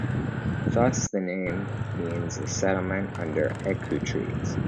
Thus, the name means a settlement under aluku trees.